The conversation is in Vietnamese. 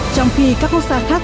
trong khi các quốc gia khác